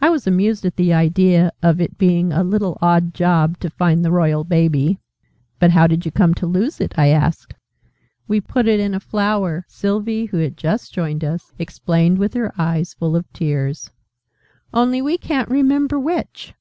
I was amused at the idea of its being a 'little odd job' to find the Royal Baby. "But how did you come to lose it?" I asked. "We put it in a flower," Sylvie, who had just joined us, explained with her eyes full of tears. "Only we ca'n't remember which!"